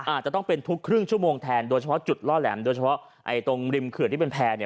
อาจจะต้องเป็นทุกครึ่งชั่วโมงแทนโดยเฉพาะจุดล่อแหลมโดยเฉพาะไอ้ตรงริมเขื่อนที่เป็นแพร่เนี่ย